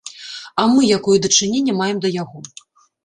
А мы якое дачыненне маем да яго?